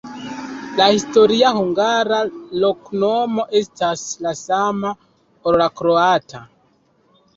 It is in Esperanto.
La historia hungara loknomo estis la sama, ol la kroata.